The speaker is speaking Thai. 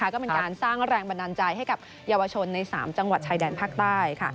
ก็เป็นการสร้างแรงบันดาลใจให้กับเยาวชนใน๓จังหวัดชายแดนภาคใต้